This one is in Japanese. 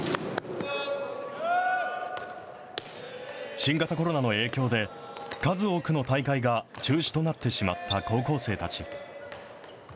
新型コロナの影響で、数多くの大会が中止となってしまった高校生たち。